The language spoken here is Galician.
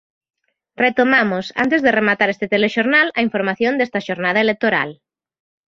Retomamos antes de rematar este telexornal a información desta xornada electoral.